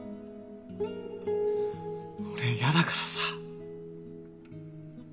俺嫌だからさ。